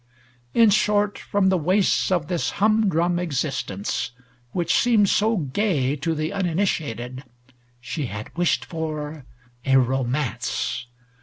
In short, from the wastes of this hum drum existence which seems so gay to the uninitiated, she had wished for a romance.